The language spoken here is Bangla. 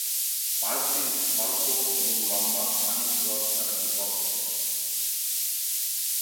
পার্কটি সর্প এবং লম্বা পানির হ্রদ দ্বারা বিভক্ত।